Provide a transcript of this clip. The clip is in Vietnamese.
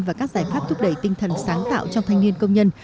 và các giải pháp thúc đẩy tinh thần sáng tạo trong thanh niên công nhân